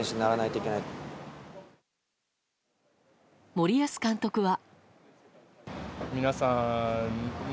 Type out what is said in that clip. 森保監督は。